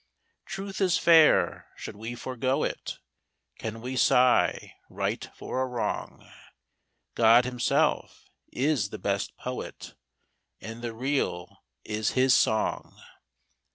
Truth is fair; should we forego it? Can we sigh right for a wrong ? God Himself is the best Poet, And the Real is His song.